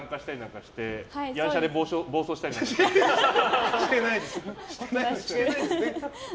してないです。